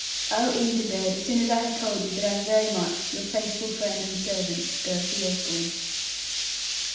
I'll e'en to bed as soon as I have told you that I am very much Your faithful friend and servant, D. OSBORNE.